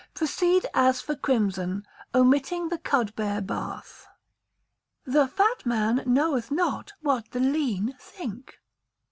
Proceed as for crimson, omitting the cudbear bath. [THE FAT MAN KNOWETH NOT WHAT THE LEAN THINK.